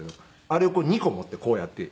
あれを２個持ってこうやって。